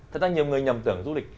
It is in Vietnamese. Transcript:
thật ra nhiều người nhầm tưởng du lịch